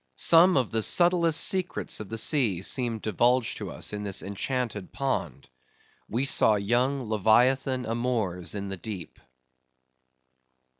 Some of the subtlest secrets of the seas seemed divulged to us in this enchanted pond. We saw young Leviathan amours in the deep.